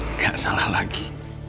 nggak salah lagi